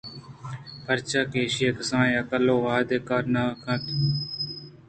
پرچا کہ ایشی ءِ کسانیں عقل ءَ آوہد ءَ کار نہ کُت